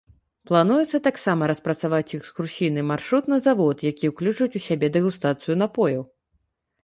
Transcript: Плануецца таксама распрацаваць экскурсійны маршрут на завод, які ўключыць у сябе дэгустацыю напояў.